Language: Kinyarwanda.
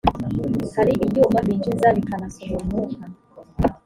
hari ibyuma byinjiza bikanasohora umwuka